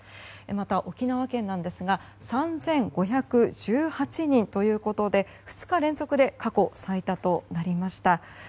また沖縄県なんですが３５１８人ということで２日連続で過去最多となりました。